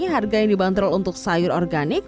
harga yang dibanderol untuk sayur organik